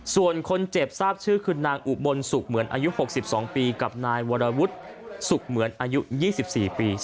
ส่วนคนเจ็บทราบชื่อคือนางอุบลสุขเหมือนอายุ๖๒ปีกับนายวรวุฒิสุขเหมือนอายุ๒๔ปี